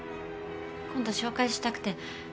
今度紹介したくて。